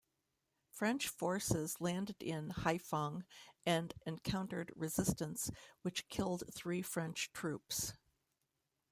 French forces landed in Haiphong and encountered resistance which killed three French troops.